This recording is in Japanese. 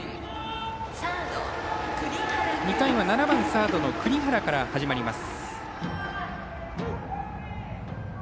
２回は７番サードの栗原から始まります。